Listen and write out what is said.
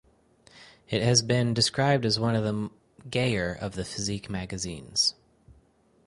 It has been described as one of the "gayer" of the physique magazines.